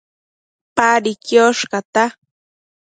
Padi quiosh cata